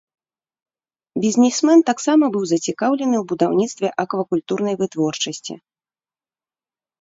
Бізнесмен таксама быў зацікаўлены ў будаўніцтве аквакультурнай вытворчасці.